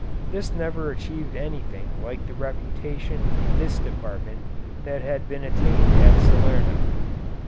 This never achieved anything like the reputation in this department that had been attained at Salerno.